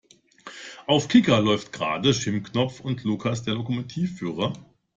Auf Kika läuft gerade Jim Knopf und Lukas der Lokomotivführer.